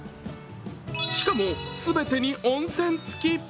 しかも、全てに温泉付き。